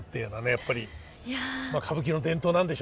やっぱりまあ歌舞伎の伝統なんでしょうね。